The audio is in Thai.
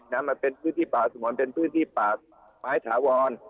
มันเป็นพื้นที่ป่าสงวนเป็นพื้นที่ป่าไม้ถาวร